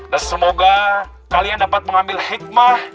dan semoga kalian dapat mengambil hikmah